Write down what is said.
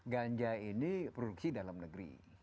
ganja ini produksi dalam negeri